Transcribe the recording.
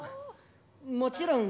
もちろん。